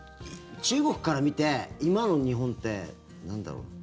中国から見て今の日本って、なんだろう。